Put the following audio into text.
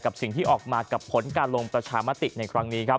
สิ่งที่ออกมากับผลการลงประชามติในครั้งนี้ครับ